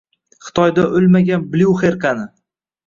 Xitoyda o’lmagan Blyuxer qani